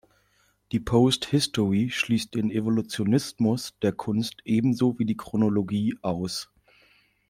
Die Post History schließt den Evolutionismus in der Kunst ebenso wie die Chronologie aus.